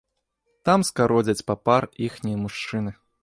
Там скародзяць папар іхнія мужчыны.